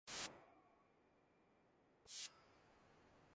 En el cerro de Sant Jaume está la divisoria de aguas entre ambos ríos.